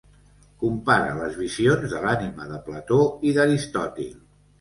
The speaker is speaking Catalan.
Compara les visions de l'ànima de Plató i d'Aristòtil.